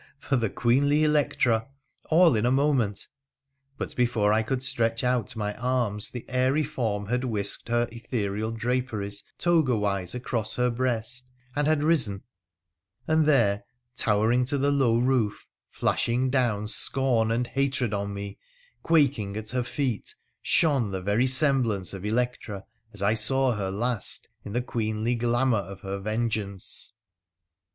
for the queenly Electra !— all in a moment. But before I could stretch out my arms the airy form had whisked her ethereal draperies toga wise across her breast, and had risen, and there, towering to the low roof, flashing down scorn and hatred on me, quaking at her feet, shone the very semblance of Electra as I saw her last in the queenly glamour of her vengeance.